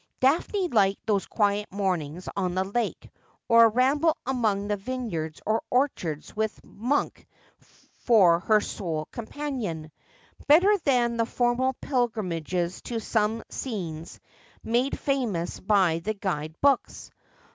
Daphne liked those quiet mornings on the lake, or a ramble among vineyards or orchards, with Monk for her sole com panion, better than the formal pilgrimages to some scene made famous by the guide books.